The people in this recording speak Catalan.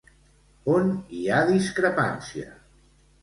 On hi ha discrepància?